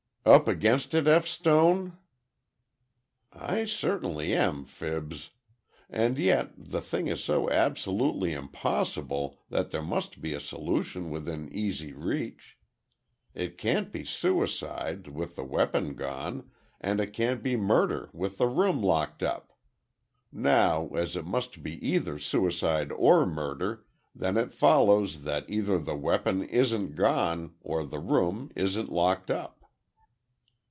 "Up against it, F. Stone?" "I certainly am, Fibs. And yet, the thing is so absolutely impossible that there must be a solution within easy reach. It can't be suicide, with the weapon gone, and it can't be murder with the room locked up. Now, as it must be either suicide or murder, then it follows, that either the weapon isn't gone, or the room isn't locked up."